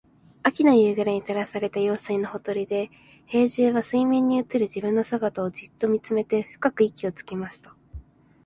秋の夕暮れに照らされた用水のほとりで、兵十は水面に映る自分の姿をじっと見つめて深く息をつきました。